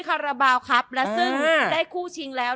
คาราบาลครับและซึ่งได้คู่ชิงแล้ว